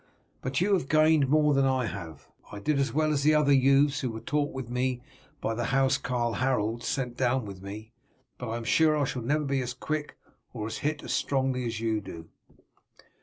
But you have gained more than I have. I did as well as the other youths who were taught with me by the house carl Harold sent down with me, but I am sure I shall never be as quick or hit as strongly as you do."